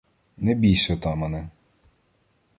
— Не бійсь, отамане.